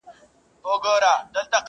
چي یې واورم درد مي هېر سي چي درد من یم؛